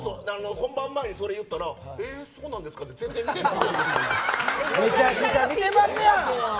本番前にそれ言ったらえー、そうなんですかって全然、見てない。